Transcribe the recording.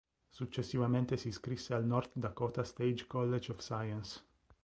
Successivamente si iscrisse al North Dakota State College of Science.